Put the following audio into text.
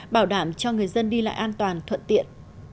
bảo đảm cho người dân đi lại an toàn thuận tiện